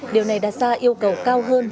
điều này đặt ra yêu cầu cao hơn